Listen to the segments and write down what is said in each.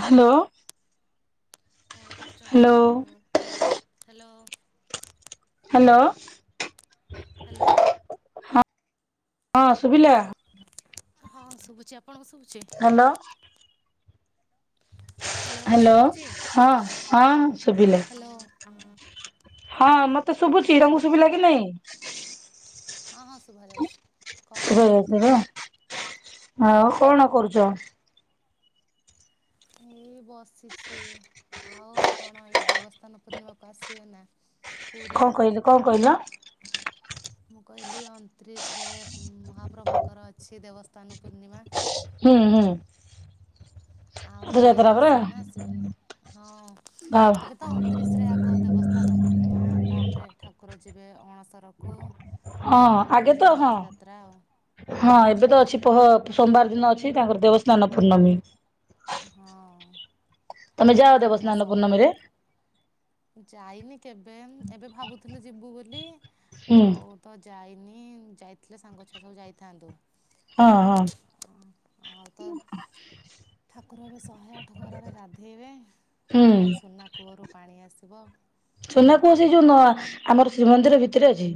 Hello. କଣ କରୁଛନ୍ତି hello hello. Hello. Hello. ହଁ ହଁ ଶୁଭିଲା। ହଁ ଶୁଭୁଛି ଆପଣଙ୍କୁ ଶୁଭୁଛି। ହ୍ୟାଲୋ ହ୍ୟାଲୋ ହ ହ ସୁବିଲା। ହ୍ୟାଲୋ ହଁ ମତେ ଆଉ ଶୁଭୁଛି ରଙ୍ଗ ଆପଣ ଶୁଭିଲା ର କି ନାଇଁ। ହଁ ହଁ ଶୁଭା ଯାଉଛି କଣ କରୁଛନ୍ତି? ହଉ କଣ କରୁଛ? ହେଇ ବସିଛି ଆଉ ଆପଣ ଏଇ ଦେବସ୍ଥାନ ପୂର୍ଣ୍ଣିମାକୁ ଆସିବେ ନା। ପୁରୀ କଣ କହିଲି କଣ କହିଲ? ମୁଁ କହିଲି ଅଣତିରିଶ ରେ ମହାପ୍ରଭୁଙ୍କର ଅଛି ଦେବସ୍ଥାନ ପୂର୍ଣ୍ଣିମା। ହୁଁ ହୁଁ। ଆଉ ରଥଯାତ୍ରା ବୁଲିବାକୁ ପରା ଆସିବେ ନା ଆସିବେନି ହଁ ଏବେ ତ ଅଣତିରିଶ ରେ ଆଗ ଦେବସ୍ଥାନ ପୂର୍ଣ୍ଣିମା ତାପରେ ଠାକୁର ଯିବେ ଅଣସରକୁ। ହଁ ତାପରେ ଆଗେ ଯାଇ ତ ହଁ ରଥଯାତ୍ରା ଆଉ ହଁ ଏବେ ତ ଅଛି ପହ ସୋମବାର ଦିନ ଅଛି ତାଙ୍କର ଦେବସ୍ନାନ ପୂର୍ଣ୍ଣମୀ। ହଁ। ତମେ ଯାଅ ଠାକୁର ତ ଏଇନା ବସ୍ନାନ ଶହେ ଆଠ। ପୂର୍ଣ୍ଣମୀରେ? ଯାଇନି କେବେ ଏବେ ଭାବୁଥିଲୁ ଯିବୁ ବୋଲି, ହୁଁ ଆଉ ତ ଯାଇନି ହ ଯାଇଥିଲେ ସାଙ୍ଗ ଛୁଆ ସବୁ ଯାଇଥାନ୍ତୁ। ହଁ ହଁ। ଆଉ ତ ଠାକୁର ଏବେ ଶହେ ଆଠ ଘରରେ ଗାଧେଇବେ, ହୁଁ ତାଙ୍କ ପାଇଁ ସୁନା କୂଅରୁ ପାଣି ଆସି ସୁନା କୁସି ଯୋଉ ନୂ ଆମର ଶ୍ରୀମନ୍ଦିର ଭିତରେ ଅଛି!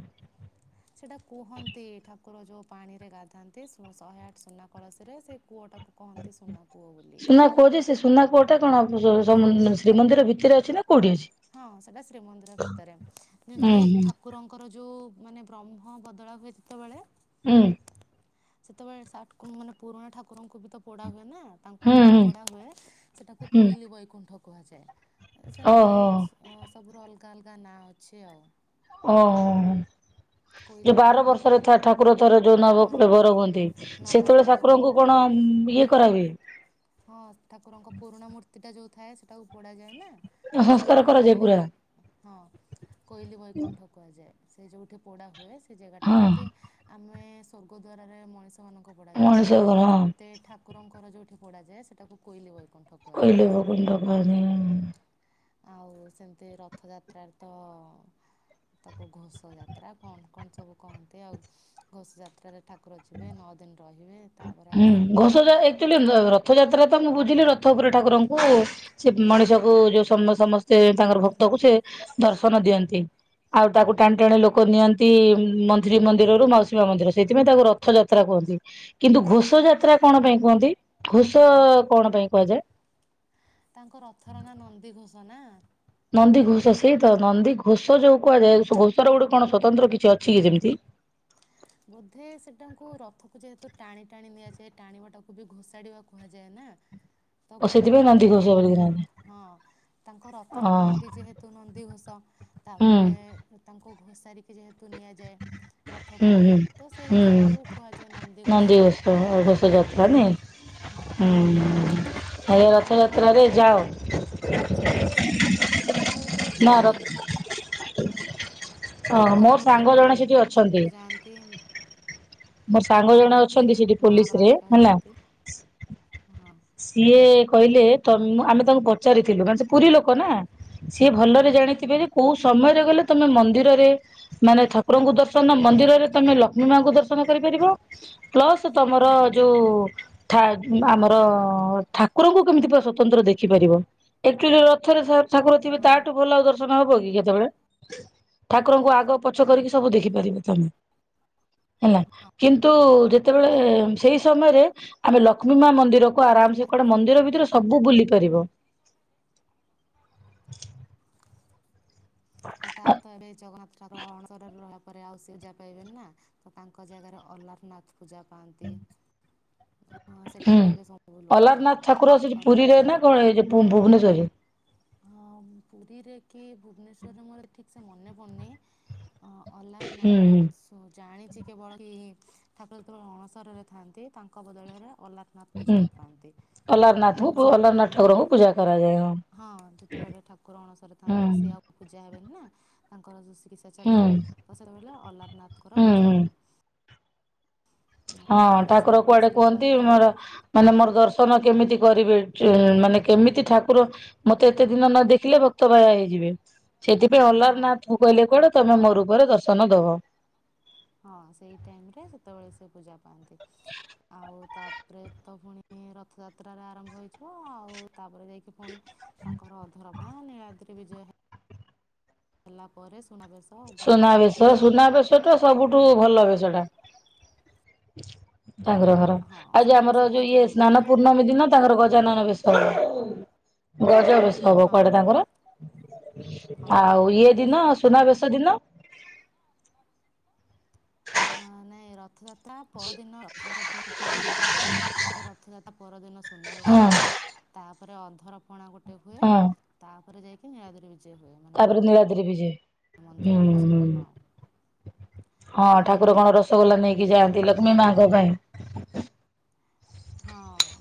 ସେଇଟା କୁହନ୍ତି, ଠାକୁର ଯୋଉ ପାଣି ରେ ଗାଧାନ୍ତି, ଶହେ ଆଠ ସୁନା କଳସୀରେ ସେ କୂଅ ଟାକୁ କହନ୍ତି, ସୁନା କୂଅ ବୋଲି। ସୁନା କୂଅ ଯେ ସେ ସୁନା କୂଅଟା କଣ ଶ୍ରୀମନ୍ଦିର ଭିତରେ ଅଛି ନା। କୋଉଠି ଅଛି? ହଁ ସେଟା ଶ୍ରୀମନ୍ଦିର ଭିତରେ ଯେମିତି ଭିତରେ ଅଛି। ଠାକୁରଙ୍କର ଯୋଉ ମାନେ ବ୍ରହ୍ମ ବଦଳା ହୁଏ, ଯେତେବେଳେ ହୁଁ। ସେତେବେଳେ ମାନେ ପୁରୁଣା ଠାକୁରଙ୍କୁ ବି ତ ପୋଡା ହୁଏ ନା ତାଙ୍କୁ ହୁଁ ଯୋଉଠି ହୁଁ ପୋଡା ହୁଏ, ସେ ତାକୁ କୋଇଲି ବୈକୁଣ୍ଠ କୁହାଯାଏ। ଓ ହ। ହଁ ସବୁ ର ଅଲଗା ଅଲଗା ନାଁ ଅଛି ଆଉ। ଓ ହ, ହ। [inaudible] ଯୋଉ ବାର ବର୍ଷରେ ବୈକୁଣ୍ଠରେ ଏ ଠାକୁର ଥର ଯୋଉ ହଁ ନବଭର ହୁଅନ୍ତି, ସେତେବେଳେ ନବକଳେବର ଠାକୁରଙ୍କୁ ହୁଏ କଣ ଇଏ କରାହୁଏ? ହଁ ଠାକୁରଙ୍କ ପୁରୁଣା ମୂର୍ତ୍ତିଟା ଯୋଉ ଥାଏ ସେଟାକୁ ପଡାଯାଏ ନା ତ ସଂସ୍କାର ସେଟାକୁ କରାଯାଏ କୋଇଲି ପୁରା। ବୈ, ହଁ କୋଇଲି ବୈକୁଣ୍ଠ କୁହାଯାଏ। ସେ ଯୋଉଠି ପୋଡା ହୁଏ, ସେ ଜାଗା ଟା ହଁ ଯେମିତି ଆମେ ସ୍ଵର୍ଗ ଦ୍ଵାରରେ ମଣିଷ ସେମାନଙ୍କ ପଡାଯାଏ, ମଣିଷ କଣ ସେମିତି ଠାକୁରଙ୍କର ଯଉଠି ପଡାଯାଏ, ସେଟାକୁ କୋଇଲି ବୈ କୋଇଲି ବୈକୁଣ୍ଠ କୁହାଯାଏ। ଆଉ ସେମିତି ରଥଯାତ୍ରାରେ ତ ତାକୁ ଘୋଷ ଯାତ୍ରା କଣ କଣ ସବୁ କହନ୍ତି, ଆଉ ଘୋଷ ଯାତ୍ରାରେ ଠାକୁର ଯିବେ ନଅ ଦିନ ରହିବେ ତାପରେ ହୁଁ ଆସିବେ ଘଛ ଯାଚୁଆଲି ର ରଥଯାତ୍ରା ତ ମୁଁ ବୁଝିଲି ରଥ ଉପରେ ଠାକୁରଙ୍କୁ ସେ ମଣିଷକୁ ଯୋଉ ସମସ୍ତେ ତାଙ୍କର ଭକ୍ତ ତାକୁ ସେ ଦର୍ଶନ ଦିଅନ୍ତି, ଆଉ ତାକୁ ହୁଁ ଟାଣି ଟାଣି ଲୋକ ନିଅନ୍ତି ମନ୍ତ୍ରୀ ମନ୍ଦିରରୁ ମାଉସୀମା ମନ୍ଦିର ସେଥିପାଇଁ ତାକୁ ରଥଯାତ୍ରା କୁହନ୍ତି କିନ୍ତୁ ହୁଁ ଘୋଷ ଯାତ୍ରା କଣ ପାଇଁ କୁହନ୍ତି, ଘୋଷ କଣ ପାଇଁ କୁହାଯାଏ? ତାଙ୍କ ରଥର ନାଁ ନନ୍ଦି ଘୋଷ ନା। ନନ୍ଦୀଘୋଷ ସେଇ ତ ନନ୍ଦୀ ଘୋଷ ଯୋଉ କୁହାଯାଏ, ଘୋଷର ଗୋଟେ କଣ ସଵତନ୍ତ୍ର କିଛି ଅଛି କି ଯେମିତି? [inaudible] ବୋଧେ ସେଟାଙ୍କୁ ରଥକୁ ଯେହେତୁ ଟାଣି ଟାଣି ନିଆଯାଏ, ଟାଣିବ ଟାକୁ ବି ଘୋଷାଡିବା କୁହାଯାଏ ନା। ତ ଓ ଗୋଟେ ସେଥିପାଇଁ ନନ୍ଦୀ ଅର୍ଥରେ, ଘୋଷ ବୋଲିକି ନାଁ ଦିଆ ହଁ ତାଙ୍କ ରଥର ନାଁ ବି ଯେହେତୁ ନନ୍ଦୀଘୋଷ ହଁ ହୁଁ ତାପରେ ତାଙ୍କୁ ଘୋଷାରିକି ଯେହେତୁ ନିଆଯାଏ ହୁଁ ରଥକୁ ହୁଁ ତ ସେଇ ହୁଁ ହିସାବରୁ କୁହାଯାଏ ନନ୍ଦିଘୋଷ ନନ୍ଦୀ ଘୋଷ ଘୋଷ ଯାତ୍ରା ନାଇ ହଁ ହୁଁ ତାଳେ ରଥଯାତ୍ରାରେ ଯାଅ? ସବୁ କିଛି ଆରେ କେବେ ନା ର ଯାଇନି। ମୋ ହଁ ଘର ମୋର ଲୋକ ସାଙ୍ଗ ଜଣେ ସେଠି ଅଛନ୍ତି। ଯାଆନ୍ତି ମୋର ସାଙ୍ଗ ଓହୋ ଜଣ ଅଛନ୍ତି, ସେଠି ମା ବାବା ପୋଲିସ ରେ ହେରିକା ହେଲା ଯାଆନ୍ତି ହଁ ସିଏ କହିଲେ, ତମ, ଆମେ ତାଙ୍କୁ ସିଏ ହଁ ଭଲରେ ଜାଣିଥିବେ କୋଉ ସମୟରେ ଗଲେ ତମେ ମନ୍ଦିରରେ ମାନେ ଠାକୁରଙ୍କୁ ଦର୍ଶନ, ମନ୍ଦିରରେ ତମେ ଲକ୍ଷ୍ମୀ ମାଙ୍କୁ ଦର୍ଶନ କରି ପାରିବ, ପ୍ଲସ ମର ଯୋଉ [unintelligible] ଠାକୁରଙ୍କୁ କେମିତି ପୁର ସଵତନ୍ତ୍ର ଦେଖିପାରିବ, ଅଚ୍ୟୁଲୀ ରଥରେ ଠାକୁର ଥିବେ, ହଁ ତାଠୁ ଭଲ ଆ ଦର୍ଶନ ହବ କି କେତେବେଳେ ଠାକୁରଙ୍କୁ ଆଗ ପଛ କରିକି ସବୁ ଦେଖି ପାରିବ ତମେ। ହେଲା କିନ୍ତୁ ଯେତେବେଳେ ସେଇ ସମୟରେ ଆମେ ଲକ୍ଷ୍ମୀ ମା ମନ୍ଦିର୍ କୁ ଆରାମ ସେ କୁଆଡେ ମନ୍ଦିର ଭିତରେ ସବୁ ବୁଲି ପାରିବ। ଆଉ ତାପରେ ତ ଏବେ ଜଗନ୍ନାଥ୍ରକର ଅଣସର ରେ ରହିଆ। ପରେ ଆଉ ସେ ଜା ପାଇବେନି ନା ତ ତାଙ୍କ ଜାଗାରେ ଅଲାରନାଥ ପୂଜା ପାଆନ୍ତି। ହଁ ହୁଁ ସେଠିକି ଏବେ ସବୁ ଲୋକ ଅଲାରନାଥ ଯାଆନ୍ତି ଠାକୁର ଅଛତି ଅଲା ପୁରୀରେ ନା କଣ ଏ ଯୋଉ ପୁଣ ଭୁବନେଶ୍ଵରରେ। ହଁ ପୁରୀରେ କି ଭୁବନେଶ୍ଵରରେ ମୋର ଠିକ ସେ ମନେ ପଡୁନି। ଅ ଅଲାର ହୁଁ ନାଆ ଶୁଣ ଜାଣି ଚି କେବଳ କି ଠାକୁର ଯେତବେଳେ ଅଣସରରେ ଥାଆନ୍ତି ତାଙ୍କ ବଦଳରେ ଅଲାରନାଥ ହୁଁ ପୂଜା ପାଆନ୍ତି। ଅଲାରନାଥଙ୍କୁ ପୁ ସେଟା ଅଲାରନାଥ ପୁ ଠକୁର ଙ୍କୁ ପୂଜା କରାଯା ଯାଏ ହଁ। ହଁ ଯେତବେଳେ ଠାକୁର ଅଣସରେ ହୁଁ ଥାଆନ୍ତି ତ ସେ ଆଉ ପୂଜା ହେବେନି ନା ତାଙ୍କର ଯୋଉ ସେ କିତ୍ସା ହୁଁ ଚାଲିଥାଏ। ତ ସେତବେଲେ ଅଲାରନାଥଙ୍କର ହୁଁ ପୂଜା ହୁଁ। ହୁଏ। ହଁ ତାପରେ ଠାକୁର ଅଣସରରୁ କୁଆଡେ ଆସିଲା ପରେ କୁହନ୍ତି ତ ମୋର ମାନେ ମୋର ଦର୍ଶନ କେମିତି କରିବେ ଚେହେଁ ମାନେ କେମିତି ଠାକୁର ମତେ ଏତେ ଦିନ ନ ଦେଖିଲେ ଭକ୍ତ ବାୟା ହେଇଯିବେ। ସେଥିପାଇଁ ହଁ ଅଲାରନାଥକୁ ଗଲେ କୁଆଡେ ତମେ ମୋ ରୂପରେ ଦର୍ଶନ ଦବ। ହଁ ସେଇ ଟାଇମ ରେ ସେତବେଳେ ସେ ପୂଜା ପାଆନ୍ତି। ଆଉ ତାପରେ ତ ପୁଣି ଉଁ ରଥଯାତ୍ରାର ଆରମ୍ଭ ହୋଇଥିବ ଆଉ ତାପରେ ଯାଇକି ପୁଣି ତାଙ୍କ ଅଧର ପଣା ନିଳାଦ୍ରୀ ବିଜୟ ହେ ହେଲାପରେ ସୁନାବେଶ। ଅଧରପଣା ନୀଳାଦ୍ରି ସୁନାବେଶ ବିଜେ ସୁନାବେଶ ଟା ହୁଏ। ସବୁଠୁ ଭଲ ବେଶ ଟା [inaudible] ତାଙ୍କର ଘର ହଁ ଆଉ ଯ ସେଟା ବର୍ଷେ ଆମର ଯୋଉ ତିନି ଇଏ ଥର ହୁଏ ସ୍ନାନ ପୂର୍ଣ୍ଣମୀ ଦିନ ତାଙ୍କର ଗ ଜାନନ ବେଶ ଗ ଏ ବେଶ ହବ ହଁ କୁଆଡେ ତାଙ୍କର ହଁ ଆଉ ହୁଏ। ଇଏ ଦିନ ସୁନାବେଶ। ସେଦିନ ଅ ନାଇଁ ରଥଯାତ୍ରା ପରଦିନ ରଥ [unintelligible] ପୁଅରେ ଦି ଦିନ ହୁଏ ତ ରଥଯାତ୍ରା ପର ଦିନ ହଁ ସୁନାବେଶ ହୁଏ। ତାପରେ ଅଧରପଣା ଗୋଟେ ହୁଏ। ହଁ ତାପରେ ଯାଇକି ନୀଳାଦିରିି ବିଜୟ ହୁଏ। ତାପରେ ନିଳାଦ୍ରୀ ବିଜେ। ମନ୍ଦିର ହୁଁ [unintelligible] ହୁଁ ହଁ। ହଁ ତ ଠାକୁର ଏଇ କଣ ରସଗୋଲା ନେଇକି ଯାଆନ୍ତି ଲକ୍ଷ୍ମୀ ମାଙ୍କ ପାଇଁ। ହଁ।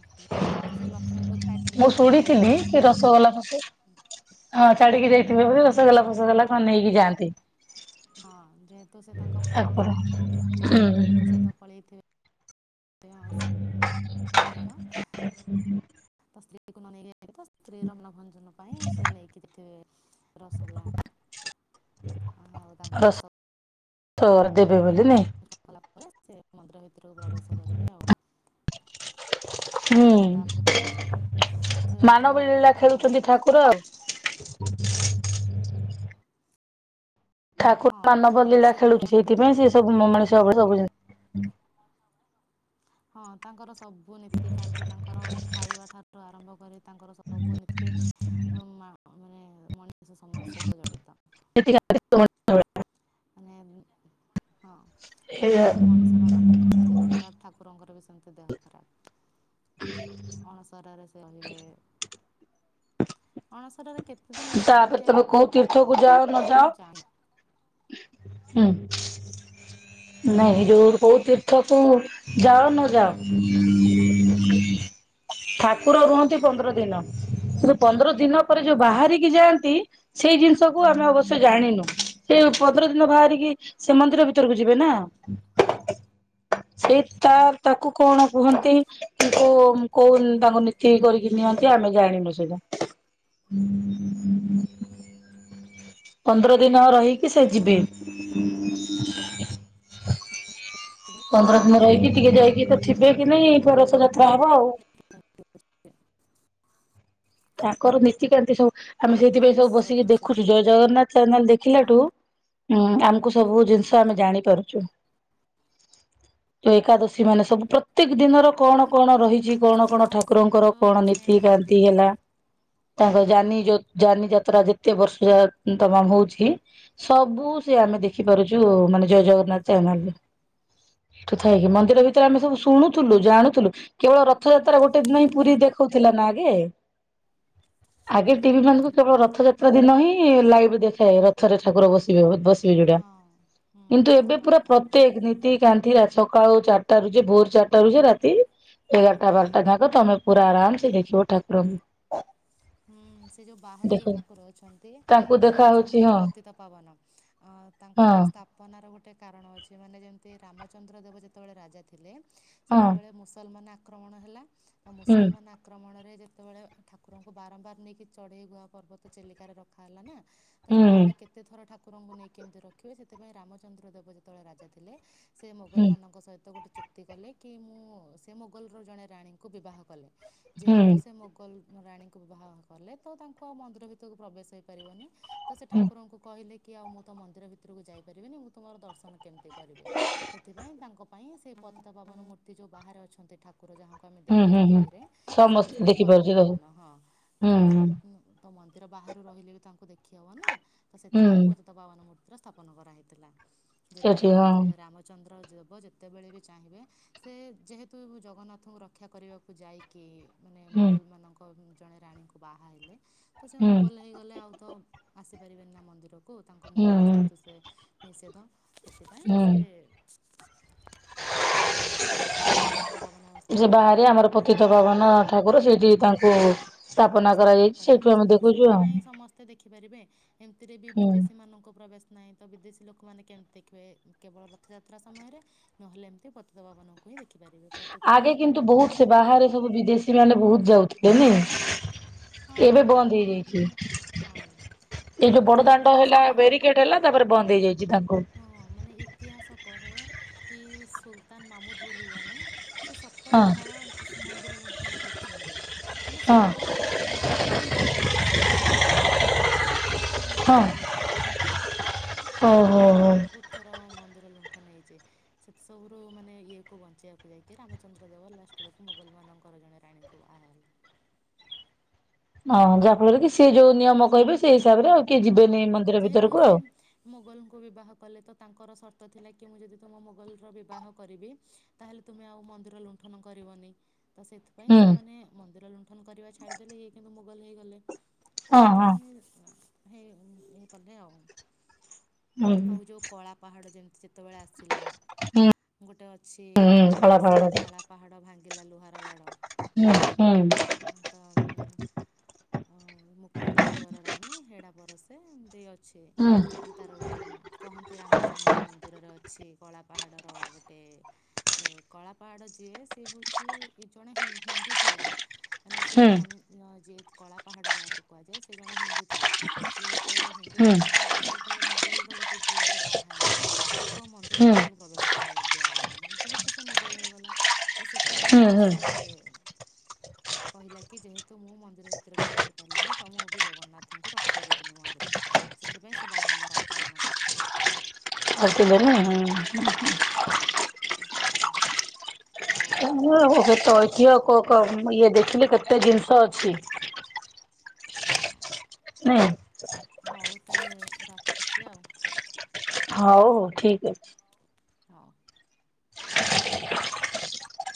ଯେହେତୁ ସେ ଲକ୍ଷ୍ମୀଙ୍କୁ ଛାଡ଼ି ମୁଁ ଦେଇକି ଶୁଣିଥିଲି ପଳେଇଥିବେ କି ରସଗୋଲା [unintelligible] ହଁ ଛାଡିକି ଯାଇଥିବେ ହଁ ବୋଲି ରସଗୋଲା ଫସଗୋଲା କଣ ନେଇକି ଯାଆନ୍ତି। ହଁ ଯେହେତୁ ସେ ତାଙ୍କ ଠାକୁର ଭଉଣୀ ଏ ଭାଇଙ୍କ ସହିତ ପଳେଇଥିବେ ହଁ ସେ ସେ ଘର ସ୍ତ୍ରୀ କି ତ ମନେଇବେ। ଏଇଟା ତ ସ୍ତ୍ରୀ ର ମନ ଭଞ୍ଜନ ପାଇଁ ସେ ନେଇକି ଯାଇଥିବେ ରସଗୋଲା। ଉଁ ଆଉ ତାଙ୍କୁ ରସ ଗୋଲା ଦେବେ ବୋଲି ଦେଇ ନାଇଁ ସନ୍ତୁଷ୍ଟ କଲା ପରେ ସେ ମନ୍ଦିର ଭିତରକୁ ପ୍ରବେଶ କରିବେ ଆଉ। ଆଉ ହୁଁ। ତାପରେ ରଥଯାତ୍ରା ମାନବ ଲୀଳା ଯୋଉ ଖେଳୁଚନ୍ତି ଠାକୁର ଆଉ। ଠାକୁର ମାନବ ହଁ ଲୀଳା ସେଥିପାଇଁ ଖେଳୁଚି ଲୋକଙ୍କୁ ସେଇଥିପାଇଁ ସେ କୁହାଯାଏ ସବୁ ମଣିଷ ଭାବରେ ସବୁ ଜିନି ହଁ ତାଙ୍କର ସବୁ ନୀତିକାନ୍ତି ତାଙ୍କର ଖାଇବା ଠାଠୁ ଆରମ୍ଭ କରି ତାଙ୍କର ସବୁ ନୀତି [unintelligible] ଦେଶ ସମାଜ ସହିତ ଜଡ଼ିତ। ମାନେ ମୁ। ହଁ ଏଇଆ ଉମ୍ ମଣିଷ ମାନଙ୍କର ଯେମିତି ଦେହ ଖରାପ ଠାକୁରଙ୍କର ବି ସେମତି ଦେହ ଖରାପ। ଅଣସରରେ ସେ ରହିବେ। ଅଣସରରେ କେତ୍ ତାପରେ ତମେ କୋଉ ତୀର୍ଥକୁ ଯାଅ ନ ମୁଁ ଯାଅ ଜାଣିନି ହୁଁ ନାଇଁ ଯୋଉ କୋଉ ତୀର୍ଥ କୁ କେତେ ଯାଅ ଦିନ ନ ରୁହନ୍ତି ଯାଅ ଠାକୁର ରୁହନ୍ତି ପନ୍ଦର ହଁ ଦିନ କିନ୍ତୁ ପନ୍ଦର ଦିନ ପରେ ଯୋଉ ବାହାରିକି ଯାଆନ୍ତି, ସେଇ ଜିନିଷକୁୁ ଆମେ ଅବଶ୍ୟ ଜାଣିନୁ ସେ ପନ୍ଦର ଦିନ ବାହାରିକି ଶ୍ରୀ ମନ୍ଦିର ଭିତରକୁ ଯିବେ ନା। ହ ସେଇ ତା ତାକୁ କଣ କୁହନ୍ତି କି କୋଉ କୋଉ ତାଙ୍କ ନୀତି କରିକି ନିଅନ୍ତି। ଆମେ ଜାଣିନୁ ସେଇଟା ପନ୍ଦର ଦିନ ଆଉ ରହି କି ସେ ଯିବେ ଏ ତ ଥିବେ କି ନାଇଁ [unintelligible] ଯାତ୍ରା ହବ ଆଉ। ତାଙ୍କର ନୀତିକାନ୍ତି ସବୁ ଆମେ ଯାତ୍ରା ସେଇଥିପାଇଁ ସବୁ ବିଶ୍ୱ ବସିକି ପ୍ରସିଦ୍ଧ। ଦେଖୁଛୁ ଜୟ ଜଗନ୍ନାଥ ଚ୍ୟାନେଲ ଦେଖିଲାଠୁ ହୁଁ ଆମକୁ ସବୁ ଜିନିଷ ଆମେ ଜାଣିପାରୁଛୁ। ଏକାଦଶୀ ମାନେ ସବୁ ପ୍ରତ୍ୟେକ ଦିନର କଣ କଣ ରହିଛି କଣ କଣ ହଁ ଠାକୁରଙ୍କର କଣ ନୀତି କାନ୍ତି ହେଲା। ହ ତାଙ୍କ ଯାନି ଯୋ ଯାନି ଯାତ୍ରା ଯେତେ ବର୍ଷ ତମାମ ହଉଛି ସବୁ ସେ ଆମେ ହୁଁ ଦେଖିପାରୁଛୁ ମାନେ ଜୟ ଜଗନ୍ନାଥ ଚ୍ୟାନେଲରେ। ଏଠୁ ଥାଇକିି ମନ୍ଦିର ଭିତରେ ଆମେ ସବୁ ଶୁଣୁଥିଲୁ ଜାଣୁଥିଲୁ କେବଳ ରଥଯାତ୍ରା ଗୋଟେ ଦିନ ହିଁ ପୁରୀ ଦେଖ ଦେଖଉଥିଲା ନା ଆଗେ ଆଗେ ଟିଭି ମାନଙ୍କୁ ଏ କେବଳ ରଥଯାତ୍ରା ଦିନ ହିଁ ଲାଇଭ ଦେଖାଏ, ରଥରେ ଠାକୁର ବସିବେ ବ ବସି [unintelligible] ହଁ ହୁଁ କିନ୍ତୁ ଏବେ ତାଙ୍କର ପୁରା ପ ପ୍ରତ୍ୟେକ ନୀତିକାନ୍ତି ସକାଳ ଚାରିଟାରୁ ଯେ ଭୋର ଚାରିଟାରୁ ଯେ ରାତି ଏଗାରଟା ବାରଟା ଯାକ ତମେ ପୁରା ଆରାମ ସେ ଦେଖିବ ଠାକୁରଙ୍କୁ। ହୁଁ ସେ ଯୋଉ ବାହାରେ ଯୋଉ ଦେଖ ଠାକୁର ଅଛନ୍ତି ତାଙ୍କୁ ସେ ଦେଖା ହଉଛି ହଉଛନ୍ତି ହଁ ପତିତ ପାବନ ଅଁ। ଆଉ ତାଙ୍କର ହଁ ସ୍ଥାପନର ଗୋଟେ କାରଣ ଅଛି ମାନେ ଯେମତି ରାମଚନ୍ଦ୍ର ଦେବ ଯେତେବେଳେ ରାଜା ଥିଲେ ହଁ ସେତେବେଳେ ମୁସଲମାନ ଆକ୍ ଆକ୍ରମଣ ହେଲା ତ ହୁଁ ମୁସଲମାନ ଆକ୍ରମଣରେ ଯେତେବେଳେ ଠାକୁରଙ୍କୁ ବାରମ୍ବାର ନେଇକି ଚଢେଇ ଘୁହା ପର୍ବତ ଚିଲିକାରେ ରଖା ହେଲା ନା ତ ହୁଁ ସେତବେଳେ କେତେ ଥର ଠାକୁ ଠାକୁରଙ୍କୁ ନେଇକି କେମିତି ରଖିବେ ସେଥିପାଇଁ ରାମଚନ୍ଦ୍ର ଦେବ ଯେତେବେଳେ ରାଜା ଥିଲେ, ସେ ହୁଁ ମୋଗଲମାନଙ୍କ ସହିତ ଗୋଟେ ଚୁକ୍ତି କଲେ କି ମୁଁ ସେ ମୋଗଲର ଜଣେ ରାଣୀଙ୍କୁ ବିବାହ କଲେ। ହୁଁ ଯେହେତୁ ସେ ମୋଗଲ ରାଣୀଙ୍କୁ ବିବାହ କଲେ ତ ତାଙ୍କୁ ଆଉ ମନ୍ଦିର ଭିତରକୁ ପ୍ରବେଶ ହେଇପାରିବନି। ତ ସେ ହୁଁ ଠାକୁରଙ୍କୁ କହିଲେ କି ଆଉ ମୁଁ ତ ମନ୍ଦିର ଭିତରକୁ ଯାଇପାରିବିନିମୁଁ ତୁମର ଦର୍ଶନ କେମିତି କରିବି, ସେଥିପାଇଁ ତାଙ୍କ ପାଇଁ ସେ ପତିତପାବନ ମୂର୍ତ୍ତି ଯେଉଁ ବାହାରେ ଅଛନ୍ତି ଠାକୁ ଠାକୁର ଯାହାଙ୍କୁ ଆମେ ହୁଁ ଦେଖୁଛେ ହୁଁ ହୁଁ ଟିଭିରେ ସେ ସମସ୍ତେ ହେଉଛନ୍ତି ଦେଖିପାରୁଛି ତ ହୁଁ ପତିତପାବନ ହଁ। ତ ସେଇ ତ ମନ୍ଦିର ବାହାରୁ ରହିଲେ ବି ତାଙ୍କୁ ଦେଖି ହବ ନା ତ ହୁଁ ସେଥିପାଇଁ ପତିତପାବନ ମୂର୍ତ୍ତି ସ୍ଥାପନ କରାହେଇଥିଲା ସେଠି ଯେତେବେଳେ ହଁ ମାନେ ରାମଚନ୍ଦ୍ର ଦେବ ଯେତେବେଳେ ବି ଚାହିଁବେ ସେ ଯେହେତୁ ଜଗନ୍ନାଥଙ୍କୁ ରକ୍ଷା କରିବାକୁ ଯାଇକି ମାନେ ହୁଁ ମୋଗଲ ମାନଙ୍କ ଜଣେ ରାଣୀଙ୍କୁ ବାହା ହେଲେ, ତ ସେ ହୁଁ ମୋଗଲ ହେଇଗଲେ ଆଉ ତ ଆସିପାରିବେନି ନା ମନ୍ଦିରକୁ ତାଙ୍କୁ ହୁଁ ମୋଗଲ ହୁଁ ଯେହେତୁ ସେ ନିଷେଧ ସେଥିପାଇଁ ସେ ହୁଁ ତାପରେ ପତିତପାବନ ସେ ସ୍ଥାପନ ବାହାରେ ଆମର କରାଗଲା ହଁ। ତାପ ସ୍ଥାପନ କରାହେଇଛି ସେଥିପାଇଁ ସମସ୍ତେ ଦେଖିପାରିବେ। ଏମିତିରେ ବି ହୁଁ ବିଦେଶୀ ମାନଙ୍କୁ ପ୍ରବେଶ ନାହିଁ ତ ବିଦେଶୀ ଲୋକମାନେ କେମିତି ଦେଖିବେ? କେବଳ ରଥଯାତ୍ରା ସମୟରେ ନହେଲେ ଏମିତି ପତିତପାବନ। ଆଗେ କିନ୍ତୁ ବହୁତ ସେ ବାହାରେ ସବୁ ବିଦେଶୀ ମାନେ ବହୁତ ଯାଉଥିଲେ ନାଇଁ। ହଁ ଏବେ ବନ୍ଦ ତାପରେ ହେଇଯାଇଛି। ଇଭିନ୍ ହଁ ଏଇ ଯୋଉ ବଣଦାଣ୍ଡ ଇତିହାସ ହେଲା ବ୍ୟାରିକେଟ୍ ହେଲା ତାପରେ ବନ୍ଦ ହେଇଯାଇଛି ଦାନ ହଁ ମାନେ ଇତିହାସ କହେ କି ସୁଲତାନ ମାମୁଦ ବୋଲି ଜଣେ ସେ ହଁ ସତର ଥର ମନ୍ଦିର ଲୁଣ୍ଠନ କରିଛନ୍ତି ମାନେ ହଁ ସତର ଥର ମନ୍ଦିରରୁ ଭାବୁଥା ଅ କେତେ ସୁନା ସେ ନେଇଛନ୍ତି ସତର ଥର ହଁ ଲୁଣ୍ଠନ କରିଛନ୍ତି। ଓହୋ। ହୋ। ବହୁତ ଥର ମନ୍ଦିର ଲୁ ଣ୍ଠନ ହେଇଛି ସେଥି ସବୁରୁ ମାନେ ଇଏକୁ ବଞ୍ଚେଇବାକୁ ଯାଇକି ରାମଚନ୍ଦ୍ର ଦେବ ଲାଷ୍ଟ ବେଳକୁ ମୁଗଲମାନଙ୍କ ର ଜଣେ ରାଣୀଙ୍କୁ ବାହାହେଲେ ଅ ହଁ ଯାହାଫଳରେ କି ସିଏ ଯୋଉ ନିୟମ କହିବେ ସେଇ ହିସାବରେ ଆଉ କିଏ ହଁ ଯିବେନି ମନ୍ଦିର ଯେହେତୁ ଭିତରକୁ ସେ ଆଉ। ମୋଗଲଙ୍କୁ ବିବାହ କଲେ ତ ତାଙ୍କର ସର୍ତ୍ତ ତ ଥିଲା କି ମୁଁ ଯଦି ତୁମ ମୋଗଲର ବିବାହ କରିବି ତାହେଲେ ତୁମେ ଆଉ ମନ୍ଦିର ଲୁଣ୍ଠନ କରିବନି ତ ସେଥିପାଇଁ ହୁଁ ସେମାନେ ମନ୍ଦିର ଲୁଣ୍ଠନ କରିବା ଛାଡ଼ିଦେଲେ ଇଏ କିନ୍ତୁ ମୁଗଲ ହେଇଗଲେ। ତ ହଁ ହଁ ସେଥିପାଇଁ ହେ ଇଏ କଲେ ଆଉ। ହୁଁ ଆଉ ଯୋଉ କଳାପାହାଡ ଯେମ ତେବେଳେ ଆସିଲା ହୁଁ ଗୋଟେ ଅଛି ହୁଁ କଳା ଆସିଲା ପାହାଡରେ କଳାପାହାଡ ଭାଙ୍ଗ ଗିଲା ଲୁହାରବାଡ଼ ହୁଁ ହୁଁ। ମୁକୁନ୍ଦ ଦେବର ରାଣୀ ହେଡା ପରସେ ଏମତି ଅ ଛି ହୁଁ ତାର ଗୋଟେ ଗୋଟେ କହନ୍ତି ରାମଚଣ୍ଡୀ ମନ୍ଦିରରେ ଅଛି କଳାପାହାଡ଼ର ଗୋଟେ କଳା କଳାପାହାଡ ଯିଏ ସେ ହଉଛି ଜଣେ ହିନ୍ଦୁ ଥିଲା ମାନେ ହୁଁ ସେ ହୁଁ ମଣି ଯେ ହେତୁ କଳାପାହାଡ ଯାହାକୁ କୁହାଯାଏ ସେ ଜଣେ ହିନ୍ଦୁ ଥିଲା ସେ ଯେତେବେଳେ ହିନ୍ଦୁ ହୁଁ ଥିଲା ତାପରେ ସେ ଯେତେବେଳେ ମୋଗଲର ଗୋଟେ ଝିଅକୁ ବାହା ହେଲା ତାକୁ ଆଉ ମନ୍ଦିର ହୁଁ ଭିତକୁ ପ୍ରବେଶ କର ଦିଆଗଲାନି ବୁଝି ଯେହେତୁ ସେ ମୋଗଲ ହୋଇଗଲା ତ ସେଥିପାଇଁ ହୁଁ ସେଏଏ କହିଲା କି ଯେହତୁ ମୁଁ ମନ୍ଦିର ଭିତରକୁ ବସି ପାରିଲିନି ତ ମୁଁ ବି ଜଗନ୍ନାଥଙ୍କୁ ରଖ ରଖେଇଦେବିନି ମନ୍ଦିରରେ ସେଥିପାଇଁ ସେ ବାରମ୍ବାର ଆକ୍ରମଣ କରିଥିଲା। [inaudible] କଳାପହାଡ଼ ତଠ କ ଆଉ ଇଏ ଦେଖିଲି କେତେ ଜିନିଷ ଅଛି। ହଁ। ନାଇଁ ହଉ ତାହେଲେ ରଖୁଛି ଆଉ। ହଉ ହଉ ଠିକ ଅଛି। ହଉ।